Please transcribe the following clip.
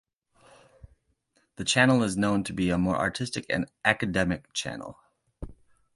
The channel is known to be a more artistic and academic channel.